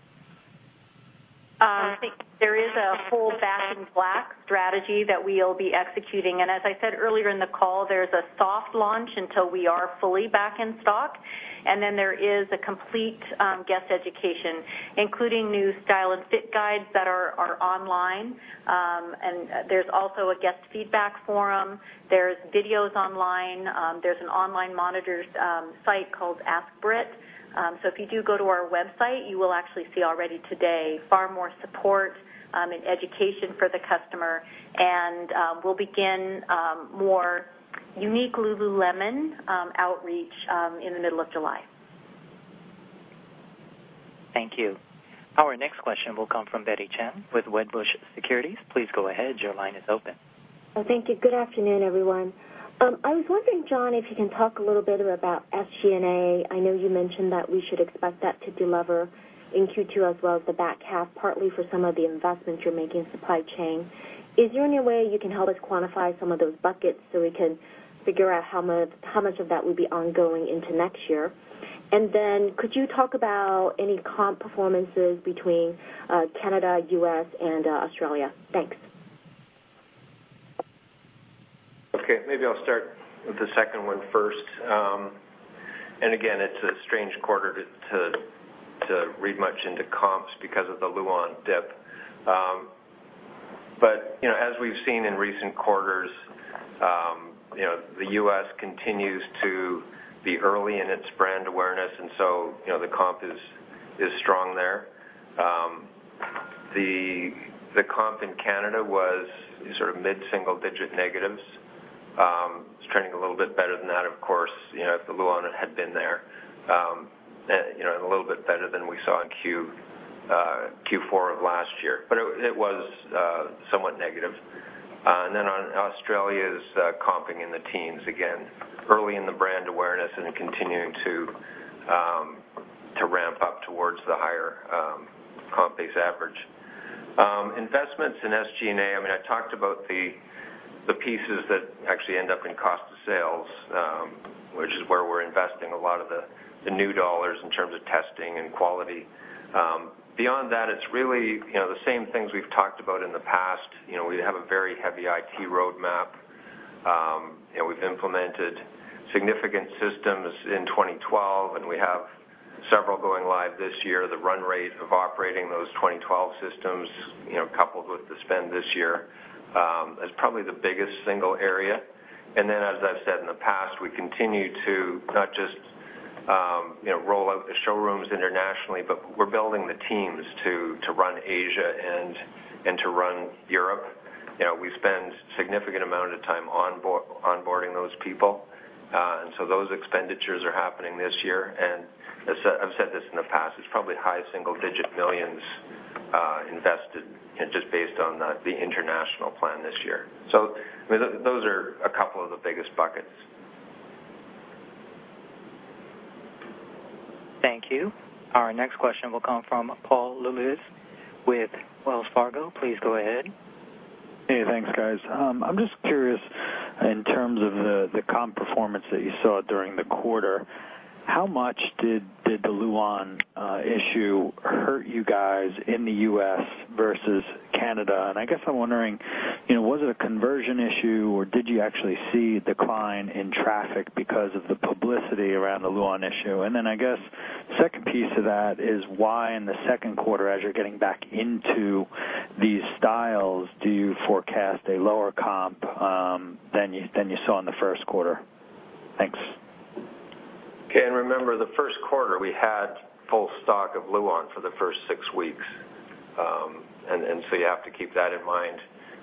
I think there is a full Back in Black strategy that we'll be executing. As I said earlier in the call, there's a soft launch until we are fully back in stock. Then there is a complete guest education, including new style and fit guides that are online. There's also a guest feedback forum. There's videos online. There's an online monitored site called Ask Brit. If you do go to our website, you will actually see already today far more support and education for the customer. We'll begin more unique Lululemon outreach in the middle of July. Thank you. Our next question will come from Betty Chen with Wedbush Securities. Please go ahead. Your line is open. Thank you. Good afternoon, everyone. I was wondering, John, if you can talk a little bit about SG&A. I know you mentioned that we should expect that to delever in Q2 as well as the back half, partly for some of the investments you're making in supply chain. Is there any way you can help us quantify some of those buckets so we can figure out how much of that will be ongoing into next year? Then could you talk about any comp performances between Canada, U.S., and Australia? Thanks. Okay. Maybe I'll start with the second one first. Again, it's a strange quarter to read much into comps because of the Luon dip. As we've seen in recent quarters, the U.S. continues to be early in its brand awareness, so the comp is strong there. The comp in Canada was sort of mid-single digit negatives. It's trending a little bit better than that, of course, if the Luon had been there, and a little bit better than we saw in Q4 of last year, but it was somewhat negative. Australia is comping in the teens, again, early in the brand awareness and continuing to ramp up towards the higher comp-based average. Investments in SG&A, I talked about the pieces that actually end up in cost of sales, which is where we're investing a lot of the new dollars in terms of testing and quality. Beyond that, it's really the same things we've talked about in the past. We have a very heavy IT roadmap. We've implemented significant systems in 2012, and we have several going live this year. The run rate of operating those 2012 systems, coupled with the spend this year, is probably the biggest single area. As I've said in the past, we continue to not just roll out the showrooms internationally, but we're building the teams to run Asia and to run Europe. We spend significant amount of time onboarding those people. Those expenditures are happening this year, and I've said this in the past, it's probably high single digit millions invested just based on the international plan this year. Those are a couple of the biggest buckets. Thank you. Our next question will come from Paul Lejuez with Wells Fargo. Please go ahead. Hey, thanks, guys. I'm just curious in terms of the comp performance that you saw during the quarter, how much did the Luon issue I guess I'm wondering, was it a conversion issue, or did you actually see a decline in traffic because of the publicity around the Luon issue? I guess the second piece of that is why in the second quarter, as you're getting back into these styles, do you forecast a lower comp than you saw in the first quarter? Thanks. Okay. Remember, the first quarter, we had full stock of Luon for the first six weeks. You have to keep that in mind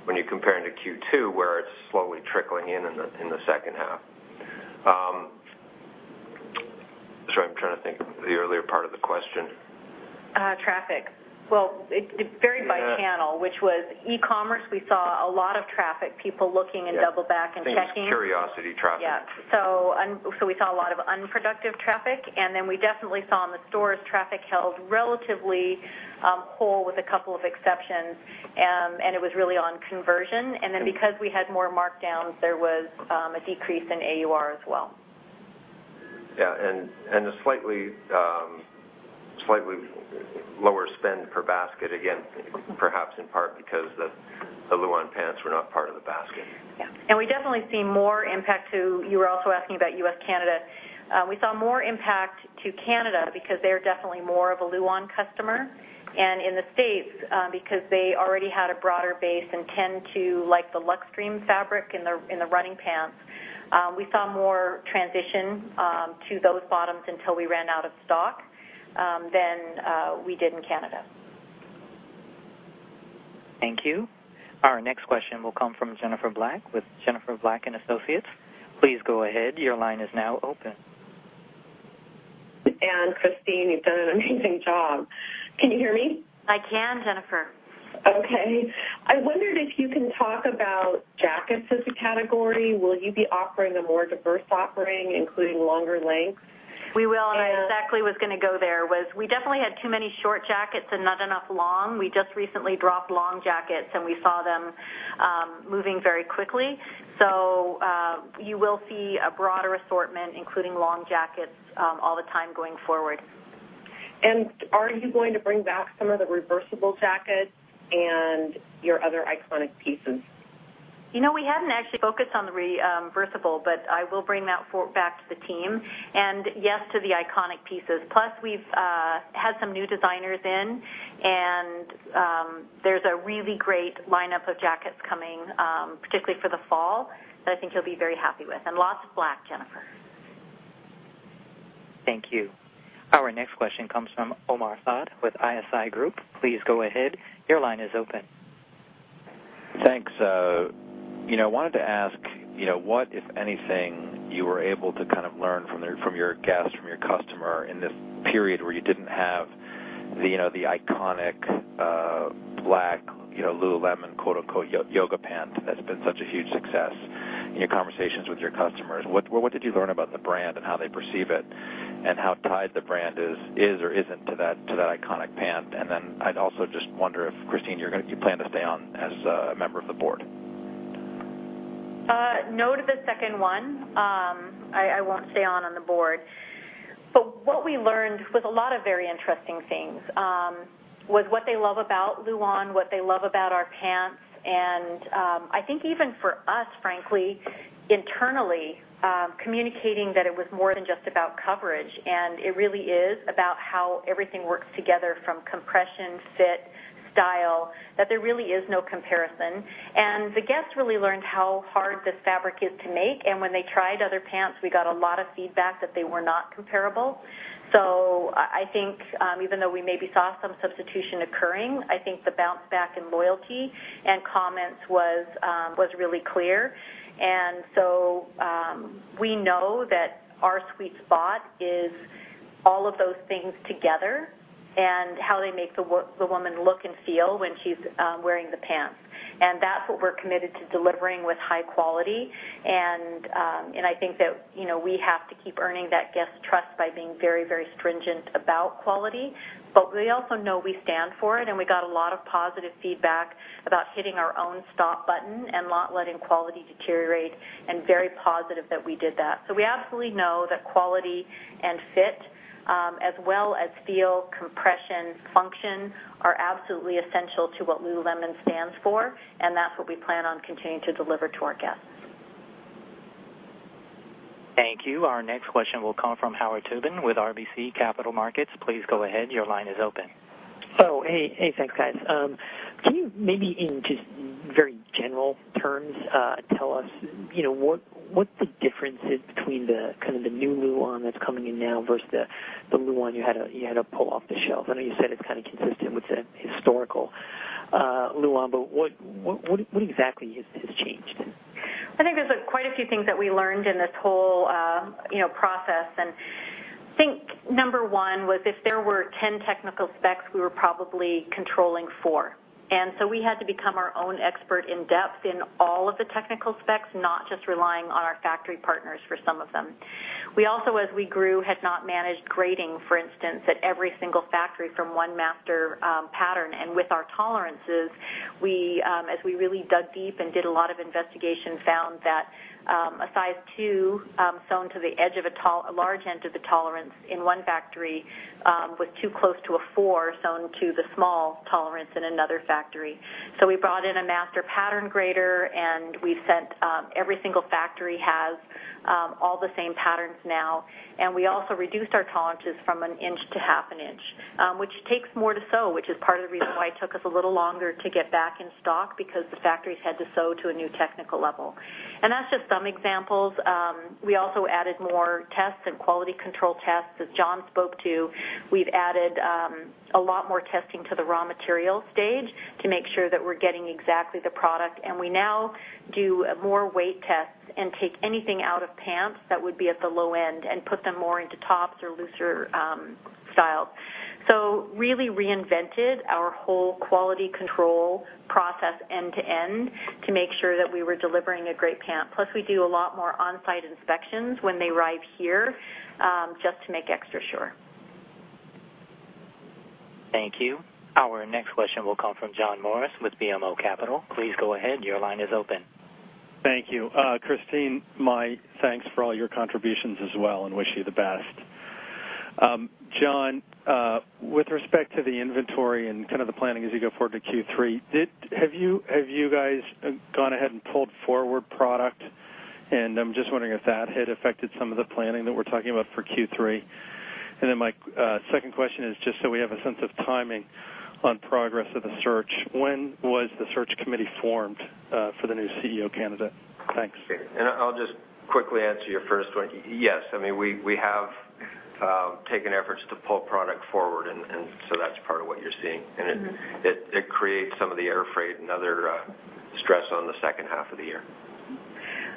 when you're comparing to Q2, where it's slowly trickling in in the second half. Sorry, I'm trying to think of the earlier part of the question. Traffic. Well, it varied by channel, which was e-commerce, we saw a lot of traffic, people looking and double back and checking. Yes. I think it was curiosity traffic. Yeah. We saw a lot of unproductive traffic, we definitely saw in the stores, traffic held relatively whole with a couple of exceptions, it was really on conversion. Because we had more markdowns, there was a decrease in AUR as well. Yeah, a slightly lower spend per basket again, perhaps in part because the Luon pants were not part of the basket. Yeah. You were also asking about U.S., Canada. We saw more impact to Canada because they are definitely more of a Luon customer. In the States, because they already had a broader base and tend to like the Luxtreme fabric in the running pants, we saw more transition to those bottoms until we ran out of stock than we did in Canada. Thank you. Our next question will come from Jennifer Black with Jennifer Black & Associates. Please go ahead. Your line is now open. Christine, you've done an amazing job. Can you hear me? I can, Jennifer. Okay. I wondered if you can talk about jackets as a category. Will you be offering a more diverse offering, including longer lengths? We will. I exactly was going to go there, was we definitely had too many short jackets and not enough long. We just recently dropped long jackets. We saw them moving very quickly. You will see a broader assortment, including long jackets all the time going forward. Are you going to bring back some of the reversible jackets and your other iconic pieces? We hadn't actually focused on the reversible, but I will bring that back to the team. Yes to the iconic pieces. We've had some new designers in, there's a really great lineup of jackets coming, particularly for the fall, that I think you'll be very happy with. Lots of black, Jennifer. Thank you. Our next question comes from Omar Saad with ISI Group. Please go ahead. Your line is open. Thanks. I wanted to ask what, if anything, you were able to learn from your guest, from your customer in this period where you didn't have the iconic black Lululemon, quote unquote, "yoga pant" that's been such a huge success in your conversations with your customers. What did you learn about the brand and how they perceive it, and how tied the brand is or isn't to that iconic pant? Then I'd also just wonder if, Christine, you plan to stay on as a member of the board. No to the second one. I won't stay on the board. What we learned was a lot of very interesting things. Was what they love about Luon, what they love about our pants, and I think even for us, frankly, internally, communicating that it was more than just about coverage, and it really is about how everything works together from compression, fit, style, that there really is no comparison. The guests really learned how hard this fabric is to make, and when they tried other pants, we got a lot of feedback that they were not comparable. I think even though we maybe saw some substitution occurring, I think the bounce back in loyalty and comments was really clear. We know that our sweet spot is all of those things together and how they make the woman look and feel when she's wearing the pants. That's what we're committed to delivering with high quality, and I think that we have to keep earning that guest trust by being very stringent about quality. We also know we stand for it, and we got a lot of positive feedback about hitting our own stop button and not letting quality deteriorate, and very positive that we did that. We absolutely know that quality and fit, as well as feel, compression, function, are absolutely essential to what Lululemon stands for, and that's what we plan on continuing to deliver to our guests. Thank you. Our next question will come from Howard Tubin with RBC Capital Markets. Please go ahead. Your line is open. Oh, hey. Thanks, guys. Can you maybe, in just very general terms, tell us what the difference is between the new Luon that's coming in now versus the Luon you had to pull off the shelf? I know you said it's kind of consistent with the historical Luon, but what exactly has changed? I think there's quite a few things that we learned in this whole process and I think number one was if there were 10 technical specs, we were probably controlling four. We had to become our own expert in depth in all of the technical specs, not just relying on our factory partners for some of them. We also, as we grew, had not managed grading, for instance, at every single factory from one master pattern. With our tolerances, as we really dug deep and did a lot of investigation, found that a size two sewn to the large end of the tolerance in one factory was too close to a four sewn to the small tolerance in another factory. We brought in a master pattern grader, and every single factory has all the same patterns now, and we also reduced our tolerances from an inch to half an inch, which takes more to sew, which is part of the reason why it took us a little longer to get back in stock because the factories had to sew to a new technical level. That's just some examples. We also added more tests and quality control tests. As John spoke to, we've added a lot more testing to the raw material stage to make sure that we're getting exactly the product. We now do more weight tests and take anything out of pants that would be at the low end and put them more into tops or looser styles. Really reinvented our whole quality control process end to end to make sure that we were delivering a great pant. Plus, we do a lot more on-site inspections when they arrive here, just to make extra sure. Thank you. Our next question will come from John Morris with BMO Capital. Please go ahead. Your line is open. Thank you. Christine, my thanks for all your contributions as well, and wish you the best. John, with respect to the inventory and the planning as you go forward to Q3, have you guys gone ahead and pulled forward product? I'm just wondering if that had affected some of the planning that we're talking about for Q3. My second question is, just so we have a sense of timing on progress of the search, when was the search committee formed for the new CEO candidate? Thanks. Okay. I'll just quickly answer your first one. Yes. We have taken efforts to pull product forward, that's part of what you're seeing. It creates some of the air freight and other stress on the second half of the year.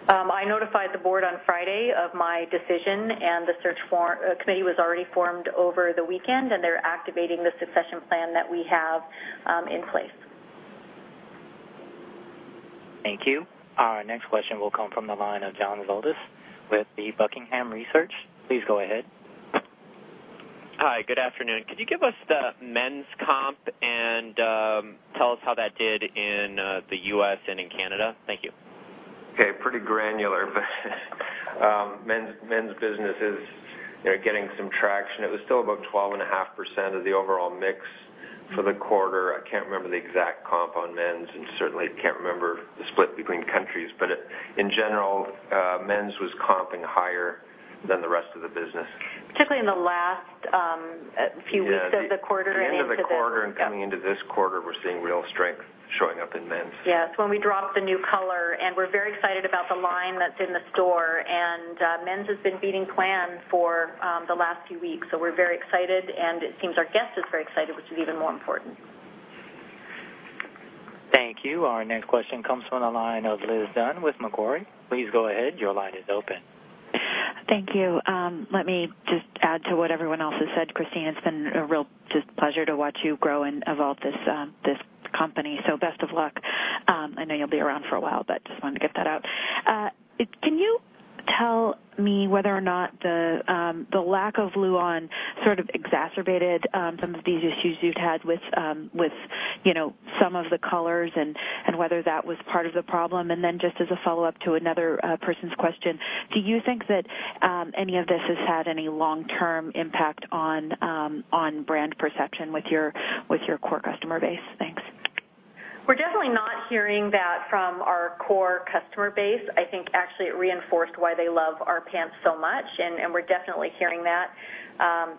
I notified the board on Friday of my decision, the search committee was already formed over the weekend, they're activating the succession plan that we have in place. Thank you. Our next question will come from the line of John Zolidis with The Buckingham Research. Please go ahead. Hi, good afternoon. Could you give us the men's comp and tell us how that did in the U.S. and in Canada? Thank you. Okay. Pretty granular, men's business is getting some traction. It was still about 12.5% of the overall mix for the quarter. I can't remember the exact comp on men's, certainly can't remember the split between countries. In general, men's was comping higher than the rest of the business. Particularly in the last few weeks of the quarter and into this- Yeah. At the end of the quarter and coming into this quarter, we're seeing real strength showing up in men's. Yes. When we dropped the new color, we're very excited about the line that's in the store. Men's has been beating plan for the last few weeks, so we're very excited, and it seems our guest is very excited, which is even more important. Thank you. Our next question comes from the line of Liz Dunn with Macquarie. Please go ahead. Your line is open. Thank you. Let me just add to what everyone else has said. Christine, it's been a real pleasure to watch you grow and evolve this company. Best of luck. I know you'll be around for a while, but just wanted to get that out. Can you tell me whether or not the lack of Luon sort of exacerbated some of these issues you've had with some of the colors, and whether that was part of the problem? Just as a follow-up to another person's question, do you think that any of this has had any long-term impact on brand perception with your core customer base? Thanks. We're definitely not hearing that from our core customer base. I think actually it reinforced why they love our pants so much, and we're definitely hearing that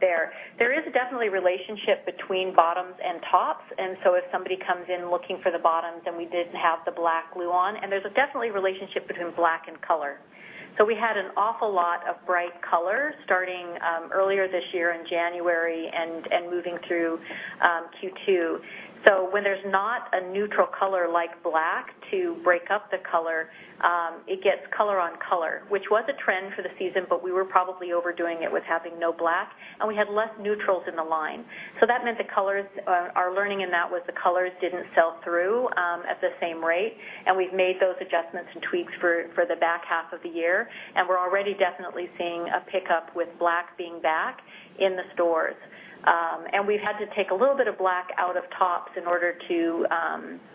there. There is definitely a relationship between bottoms and tops, and so if somebody comes in looking for the bottoms, and we didn't have the black Luon, and there's definitely a relationship between black and color. We had an awful lot of bright color starting earlier this year in January and moving through Q2. When there's not a neutral color like black to break up the color, it gets color on color, which was a trend for the season, but we were probably overdoing it with having no black, and we had less neutrals in the line. That meant our learning in that was the colors didn't sell through at the same rate, and we've made those adjustments and tweaks for the back half of the year, and we're already definitely seeing a pickup with black being back in the stores. We've had to take a little bit of black out of tops in order to,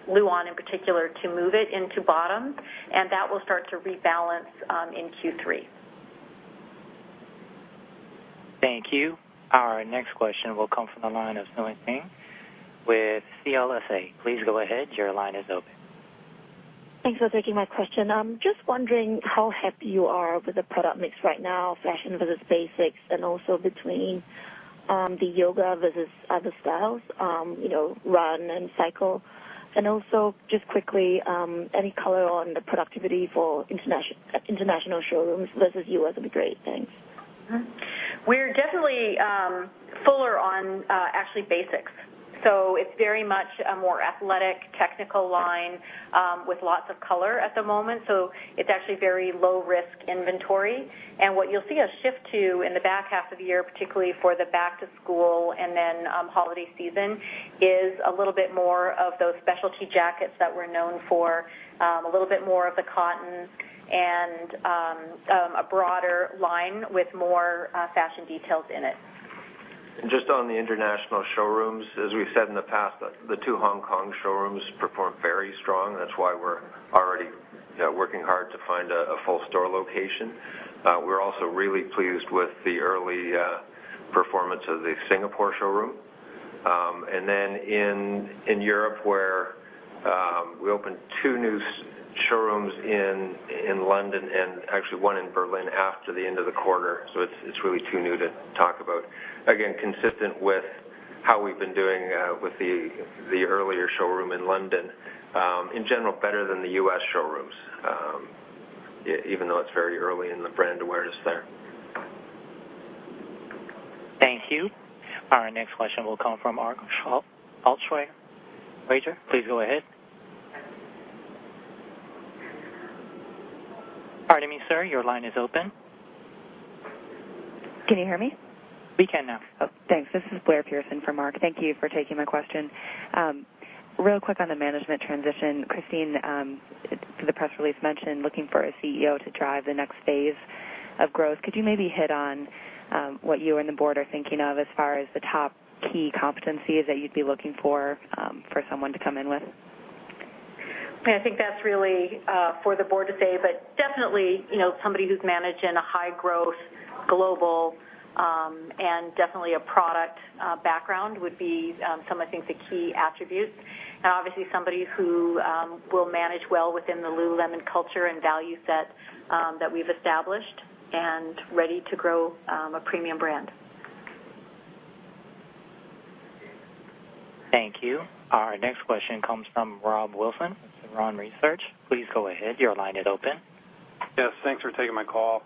Luon in particular, to move it into bottoms, and that will start to rebalance in Q3. Thank you. Our next question will come from the line of Simeon Siegel with CLSA. Please go ahead. Your line is open. Thanks for taking my question. Just wondering how happy you are with the product mix right now, fashion versus basics, and also between the yoga versus other styles, run and cycle. Also, just quickly, any color on the productivity for international showrooms versus U.S. would be great. Thanks. Actually basics. It's very much a more athletic technical line with lots of color at the moment. It's actually very low risk inventory. What you'll see a shift to in the back half of the year, particularly for the back to school and then holiday season, is a little bit more of those specialty jackets that we're known for, a little bit more of the cotton and a broader line with more fashion details in it. Just on the international showrooms, as we've said in the past, the two Hong Kong showrooms performed very strong. That's why we're already working hard to find a full store location. We're also really pleased with the early performance of the Singapore showroom. Then in Europe where we opened two new showrooms in London and actually one in Berlin after the end of the quarter, so it's really too new to talk about. Again, consistent with how we've been doing with the earlier showroom in London. In general, better than the U.S. showrooms, even though it's very early in the brand awareness there. Thank you. Our next question will come from Mark Altschwager, Baird. Please go ahead. Pardon me, sir, your line is open. Can you hear me? We can now. Oh, thanks. This is Blair Pearson for Mark. Thank you for taking my question. Real quick on the management transition, Christine, the press release mentioned looking for a CEO to drive the next phase of growth. Could you maybe hit on what you and the board are thinking of as far as the top key competencies that you'd be looking for someone to come in with? I think that's really for the board to say, but definitely, somebody who's managing a high growth global, and definitely a product background would be some of, I think, the key attributes. Obviously somebody who will manage well within the Lululemon culture and value set that we've established and ready to grow a premium brand. Thank you. Our next question comes from Rob Wilson with Tibuon Research. Please go ahead. Your line is open. Yes, thanks for taking my call.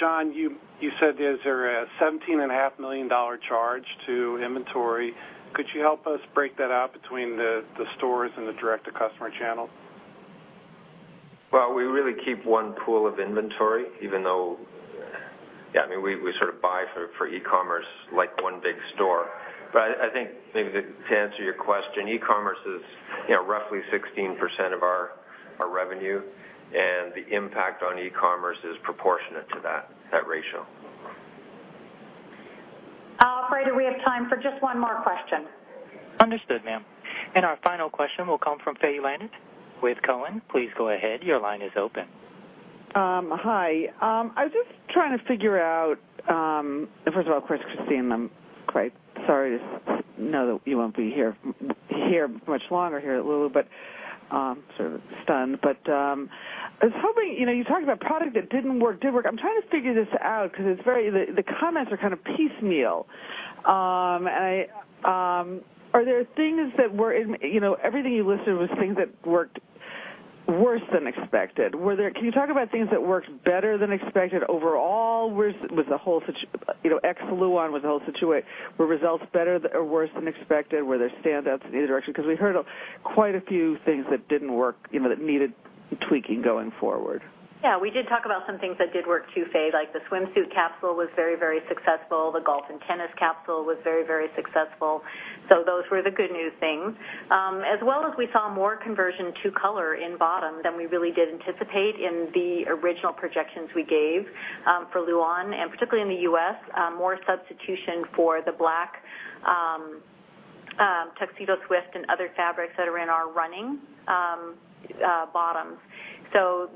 John, you said there's a $17.5 million charge to inventory. Could you help us break that out between the stores and the direct-to-customer channel? Well, we really keep one pool of inventory, even though, we sort of buy for e-commerce like one big store. I think maybe to answer your question, e-commerce is roughly 16% of our revenue. The impact on e-commerce is proportionate to that ratio. Operator, we have time for just one more question. Understood, ma'am. Our final question will come from Faye Landes with Cowen and Company. Please go ahead. Your line is open. Hi. I was just trying to figure out, first of all, of course, Christine, I'm quite sorry to know that you won't be here much longer here at Lulu, but sort of stunned. I was hoping, you talked about product that didn't work, did work. I'm trying to figure this out because the comments are kind of piecemeal. Everything you listed was things that worked worse than expected. Can you talk about things that worked better than expected overall with ex Luon, with the whole situation? Were results better or worse than expected? Were there standouts in either direction? Because we heard of quite a few things that didn't work, that needed tweaking going forward. We did talk about some things that did work too, Faye. The swimsuit capsule was very successful. The golf and tennis capsule was very successful. Those were the good new things. As well as we saw more conversion to color in bottom than we really did anticipate in the original projections we gave for Luon, and particularly in the U.S., more substitution for the black tuxedo twist and other fabrics that are in our running bottoms.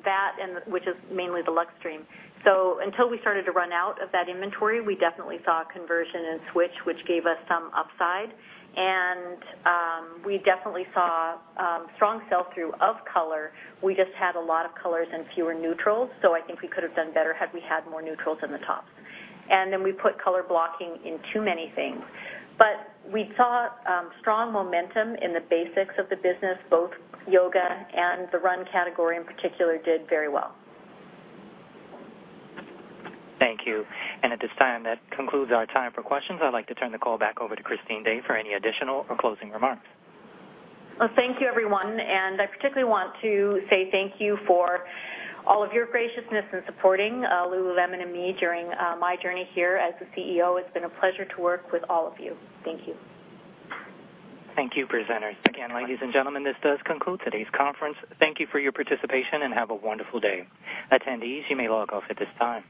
That, which is mainly the Luxtreme. Until we started to run out of that inventory, we definitely saw conversion and switch, which gave us some upside. We definitely saw strong sell-through of color. We just had a lot of colors and fewer neutrals, so I think we could have done better had we had more neutrals in the tops. We put color blocking in too many things. We saw strong momentum in the basics of the business, both yoga and the run category in particular did very well. Thank you. At this time, that concludes our time for questions. I'd like to turn the call back over to Christine Day for any additional or closing remarks. Thank you everyone. I particularly want to say thank you for all of your graciousness in supporting Lululemon and me during my journey here as the CEO. It's been a pleasure to work with all of you. Thank you. Thank you, presenters. Again, ladies and gentlemen, this does conclude today's conference. Thank you for your participation and have a wonderful day. Attendees, you may log off at this time.